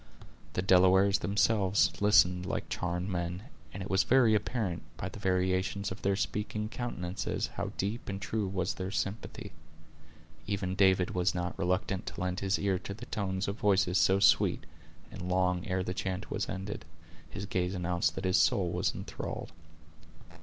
The Delawares themselves listened like charmed men; and it was very apparent, by the variations of their speaking countenances, how deep and true was their sympathy. Even David was not reluctant to lend his ears to the tones of voices so sweet; and long ere the chant was ended, his gaze announced that his soul was enthralled.